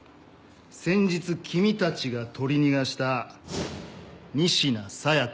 先日君たちが取り逃がした仁科紗耶香。